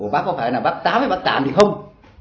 bác có phải là bác tám hay bác tàm thì không